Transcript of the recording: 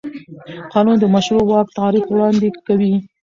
قانون د مشروع واک تعریف وړاندې کوي.